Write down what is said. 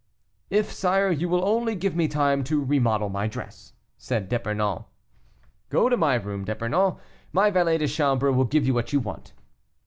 "If, sire, you will only give me time to remodel my dress," said D'Epernon. "Go to my room, D'Epernon; my valet de chambre will give you what you want."